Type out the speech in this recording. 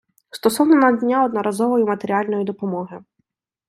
Стосовно надання одноразової матеріальної допомоги.